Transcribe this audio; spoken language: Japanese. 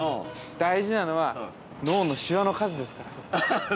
大事なのは脳のシワの数ですから。